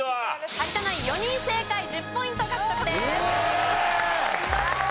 有田ナイン４人正解１０ポイント獲得です。